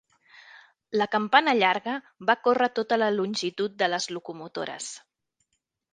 La campana llarga va córrer tota la longitud de les locomotores.